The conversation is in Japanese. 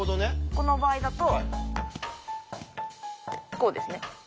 この場合だとこうですね。